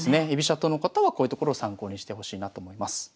居飛車党の方はこういうところを参考にしてほしいなと思います。